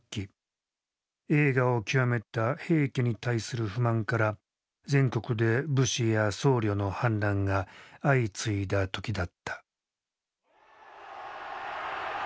栄華を極めた平家に対する不満から全国で武士や僧侶の反乱が相次いだ時だった。